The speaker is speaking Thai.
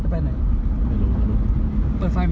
รถผมมีเด็กพี่